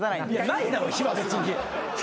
ないだろ火は別に。